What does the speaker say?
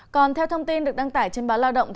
còn theo thông tin được đăng tải trên báo lao động